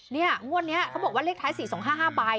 เนี่ยงวดเนี่ยเขาบอกว่าเลขท้าย๔๒๕๕ใบ